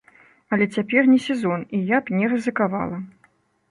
Але цяпер не сезон, і я б не рызыкавала.